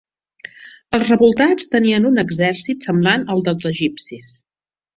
Els revoltats tenien un exèrcit semblant al dels egipcis.